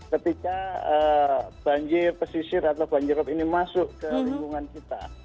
ketika banjir pesisir atau banjirop ini masuk ke lingkungan kita